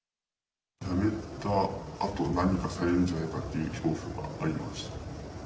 やめたあと、何かされるんじゃないかっていう恐怖がありましたね。